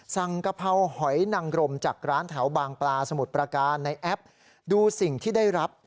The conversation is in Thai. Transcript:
กะเพราหอยนังรมจากร้านแถวบางปลาสมุทรประการในแอปดูสิ่งที่ได้รับ